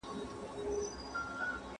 اولس جانان که، نو ده ټول اولس، جانان به شې.